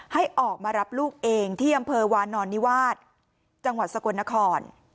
ให้ออกมารับลูกเองที่อำเภอวานอนนิวาสจังหวัดสกลนคร